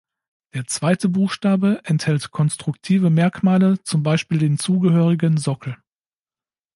Der zweite Buchstabe enthält konstruktive Merkmale, zum Beispiel den zugehörigen Sockel.